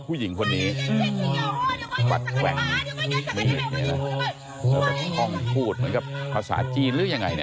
ผู้หญิงคนนี้กวัดแหวงมีแบบนี้นะครับพูดเหมือนกับภาษาจีนหรือยังไงเนี่ย